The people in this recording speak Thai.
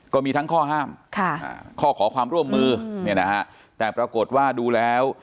ก็มีทั้งข้อห้ามข้อขอความร่วมมือเนี่ยนะฮะแต่ปรากฏว่าดูแล้ว